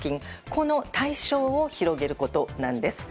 この対象を広げることなんです。